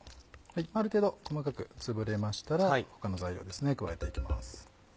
ある程度細かくつぶれましたら他の材料ですね加えていきます。